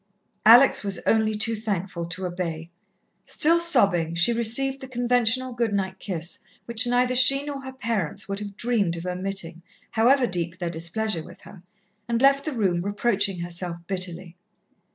Alex was only too thankful to obey. Still sobbing, she received the conventional good night kiss which neither she nor her parents would have dreamed of omitting, however deep their displeasure with her, and left the room reproaching herself bitterly.